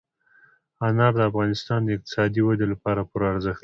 انار د افغانستان د اقتصادي ودې لپاره پوره ارزښت لري.